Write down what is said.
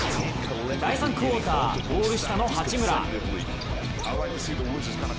第３クオーター、ゴール下の八村。